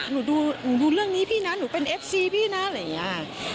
หนูดูหนูดูเรื่องนี้พี่นะหนูเป็นเอฟซีพี่นะอะไรอย่างนี้